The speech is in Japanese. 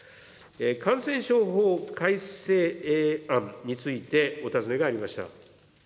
感染症法改正案についてお尋ねがありました。